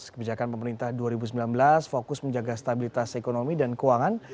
kebijakan pemerintah dua ribu sembilan belas fokus menjaga stabilitas ekonomi dan keuangan